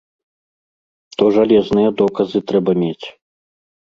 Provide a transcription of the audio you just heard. То жалезныя доказы трэба мець.